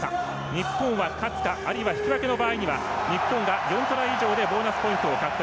日本は勝つか、あるいは引き分けの場合には日本が４トライ以上でボーナスポイントを獲得。